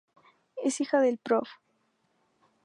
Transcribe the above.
Es hija del Prof.